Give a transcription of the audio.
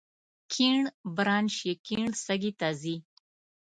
کیڼ برانش یې کیڼ سږي ته ځي.